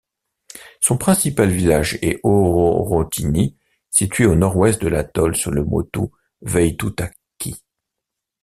Son principal village est Auorotini situé au Nord-Ouest de l'atoll sur le motu Vaitutaki.